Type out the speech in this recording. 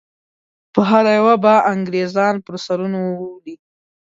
په هره یوه به انګریزان پر سرونو وولي.